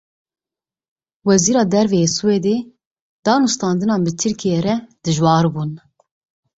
Wezîra Derve yê Swêdê: Danûstandinên bi Tirkiyeyê re dijwar bûn.